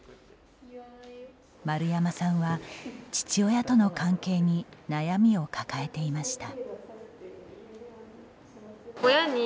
丸山さんは、父親との関係に悩みを抱えていました。